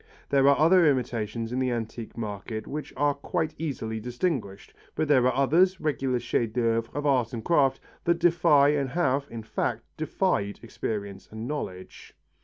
There are ordinary imitations in the antique market which are quite easily distinguished, but there are others, regular chefs d'œuvre of art and craft, that defy and have, in fact, defied experience and knowledge.